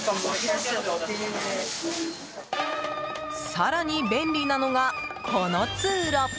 更に便利なのが、この通路。